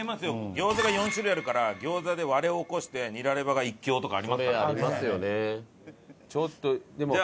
餃子が４種類あるから餃子で割れを起こしてニラレバが一強とかありますから。